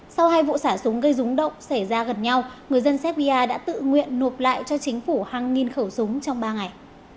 sau hai vụ xả súng gây rúng động xảy ra gần nhau người dân serbia đã tự nguyện nộp lại cho chính phủ hàng nghìn khẩu súng trong ba ngày